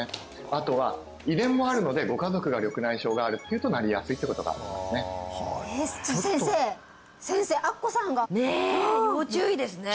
あとは遺伝もあるのでご家族が緑内障があるっていうとなりやすいっていうことがちょっと先生先生明子さんがねえ要注意ですね